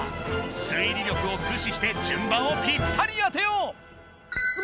推理力をくしして順番をぴったり当てよう！